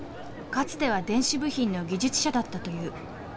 かつては電子部品の技術者だったという。